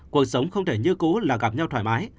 cuộc sống không thể như cũ là gặp nhau thoải mái